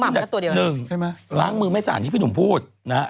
อันนึงล้างมือไม่สาหร่างที่พี่หนุ่มพูด